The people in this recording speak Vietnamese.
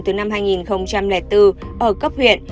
từ năm hai nghìn bốn ở cấp huyện